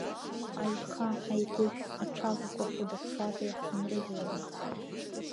Аиха, аигәышә, аҽагақәа хәыда-ԥсада иаҳзынрыжьларын.